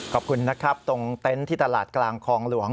ขอบคุณนะครับตรงเต็นต์ที่ตลาดกลางคลองหลวง